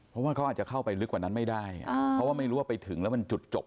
เพราะว่าเขาอาจจะเข้าไปลึกกว่านั้นไม่ได้เพราะว่าไม่รู้ว่าไปถึงแล้วมันจุดจบ